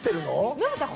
ノブさん